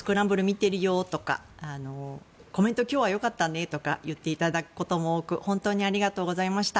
見てるよとかコメントは今日は良かったねとかいただくことも多く本当にありがとうございました。